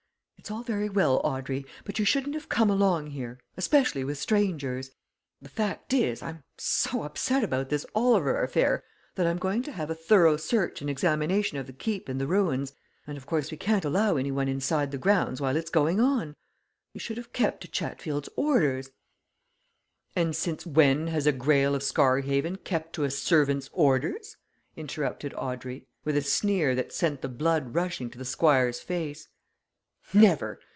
It's all very well, Audrey, but you shouldn't have come along here especially with strangers. The fact is, I'm so upset about this Oliver affair that I'm going to have a thorough search and examination of the Keep and the ruins, and, of course, we can't allow any one inside the grounds while it's going on. You should have kept to Chatfield's orders " "And since when has a Greyle of Scarhaven kept to a servant's orders?" interrupted Audrey, with a sneer that sent the blood rushing to the Squire's face. "Never!